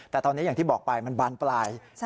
แต่ตอนนี้อย่างที่บอกไปมันบานปลาย